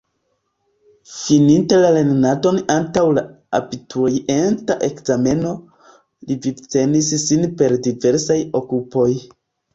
Fininte la lernadon antaŭ la abiturienta ekzameno, li vivtenis sin per diversaj okupoj.